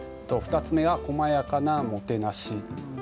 ２つ目が「細やかなもてなし」。